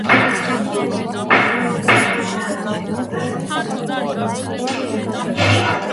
ჩაქვში არის სასოფლო-სამეურნეო დანიშნულების, აგრეთვე კულტურის, განათლების და ჯანდაცვის ობიექტები.